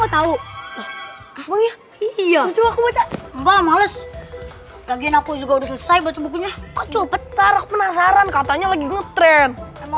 hai ah iya gua males lagi aku juga udah selesai baca bukunya coba penasaran katanya lagi ngetren